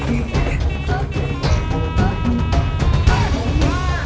akan t satu ratus dua puluh menemukan